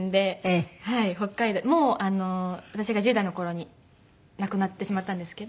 もう私が１０代の頃に亡くなってしまったんですけど。